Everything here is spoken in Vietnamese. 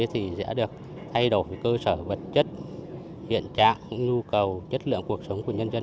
thì sẽ được thay đổi về cơ sở vật chất hiện trạng nhu cầu chất lượng cuộc sống của nhân dân